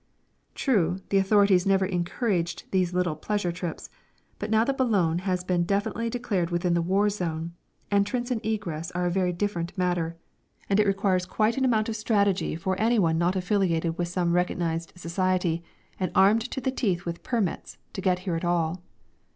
True, the authorities never encouraged these little pleasure trips, but now that Boulogne has been definitely declared within the War Zone, entrance and egress are a very different matter, and it requires quite an amount of strategy for anyone not affiliated to some recognised society, and armed to the teeth with permits, to get here at all.